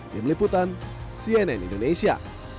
di meliputan cnn indonesia